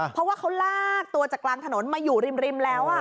เพราะว่าเขาลากตัวจากกลางถนนมาอยู่ริมแล้ว